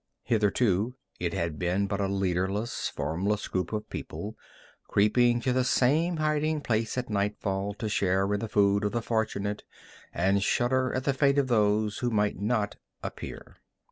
Hitherto it had been but a leaderless, formless group of people, creeping to the same hiding place at nightfall to share in the food of the fortunate, and shudder at the fate of those who might not appear.